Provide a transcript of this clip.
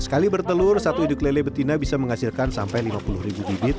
sekali bertelur satu iduk lele betina bisa menghasilkan sampai lima puluh ribu bibit